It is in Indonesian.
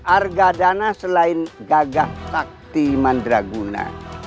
arga dana selain gagah sakti mandraguna